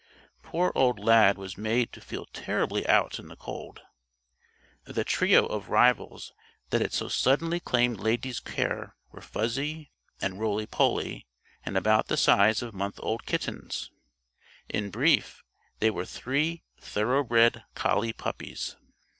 Poor old Lad was made to feel terribly out in the cold. The trio of rivals that had so suddenly claimed Lady's care were fuzzy and roly poly, and about the size of month old kittens. In brief, they were three thoroughbred collie puppies.